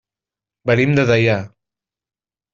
Venim de Deià.